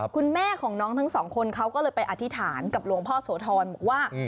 คุณแม่ของน้องทั้งสองคนเขาก็เลยไปอธิษฐานกับหลวงพ่อโสธรบอกว่า